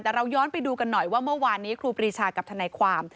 แต่เราย้อนไปดูกันหน่อยว่าเมื่อวานนี้ครูปรีชากับทนายความ